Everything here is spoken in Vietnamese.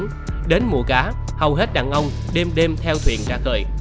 trong vùng đá hầu hết đàn ông đêm đêm theo thuyền ra khởi